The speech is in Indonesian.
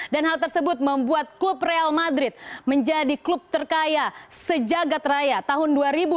dan hal tersebut membuat klub real madrid menjadi klub terkaya sejagat raya tahun dua ribu lima belas